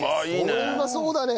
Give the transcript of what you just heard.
これうまそうだね。